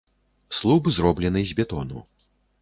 Слуп зроблены з бетону.